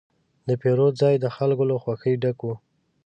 د پیرود ځای د خلکو له خوښې ډک و.